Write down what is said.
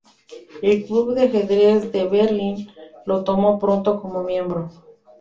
El "Club de Ajedrez de Berlín" lo tomó pronto como miembro.